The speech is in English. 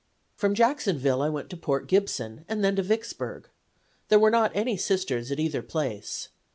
From Jacksonville I went to Port Gibson, and then to Vicksburg. There were not any Sisters at either place.